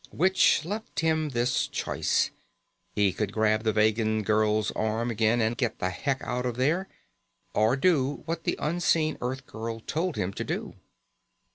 Which left him this choice: he could grab the Vegan girl's arm again and get the heck out of there, or do what the unseen Earth girl told him to do.